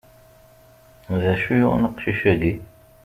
D acu yuɣen aqcic-agi?